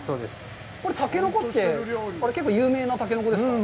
これ、たけのこって有名なたけのこですか。